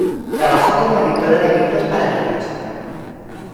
Trabajó como editora de libros para niños.